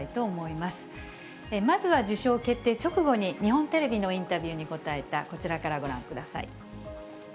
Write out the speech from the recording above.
まずは受賞決定直後に、日本テレビのインタビューに答えたこちらからご覧ください。